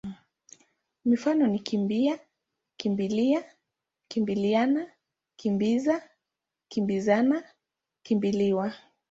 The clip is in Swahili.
Mifano ni kimbi-a, kimbi-lia, kimbili-ana, kimbi-za, kimbi-zana, kimbi-liwa.